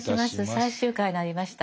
最終回になりました。